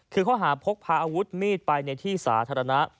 คือข้อหาพกพาอาวุธมีดไปในที่สาธารณะ